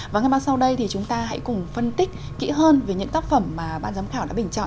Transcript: và ngay sau đây thì chúng ta hãy cùng phân tích kỹ hơn về những tác phẩm mà ban giám khảo đã bình chọn